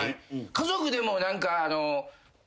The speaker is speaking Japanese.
家族でも何か。